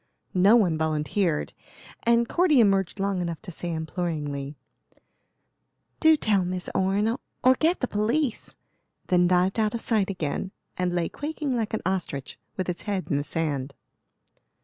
No one volunteered, and Cordy emerged long enough to say imploringly: "Do tell Miss Orne, or get the police;" then dived out of sight again, and lay quaking like an ostrich with its head in the sand.